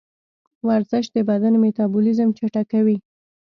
ورزش د بدن میتابولیزم چټکوي.